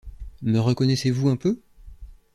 Me reconnaissez-vous un peu?